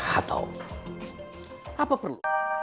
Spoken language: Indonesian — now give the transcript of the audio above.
atau apa perlu